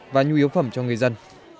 và nhu yếu phẩm cho người dân